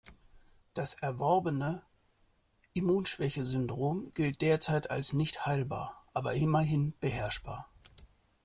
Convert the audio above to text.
Das erworbene Immunschwächesyndrom gilt derzeit als nicht heilbar, aber immerhin beherrschbar.